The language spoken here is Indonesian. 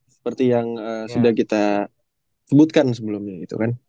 seperti yang sudah kita sebutkan sebelumnya gitu kan